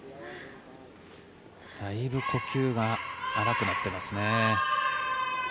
だいぶ呼吸が荒くなっています。